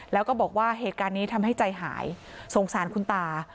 แล้วก็บอกว่าเหตุการณ์นี้ทำให้ใจหายสงสารคุณตา